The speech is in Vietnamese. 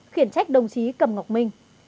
khiển trách đồng chí cẩm ngọc minh